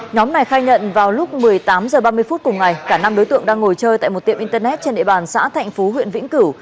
nhóm này khai nhận vào lúc một mươi tám h ba mươi phút cùng ngày cả năm đối tượng đang ngồi chơi tại một tiệm internet trên địa bàn xã thạnh phú huyện vĩnh cửu